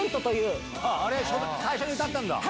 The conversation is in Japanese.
あれ最初に歌ったんだ。